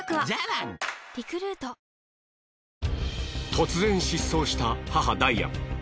突然失踪した母ダイアン。